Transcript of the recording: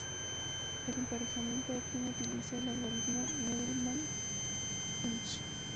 El emparejamiento óptimo utiliza el Algoritmo Needleman-Wunsch.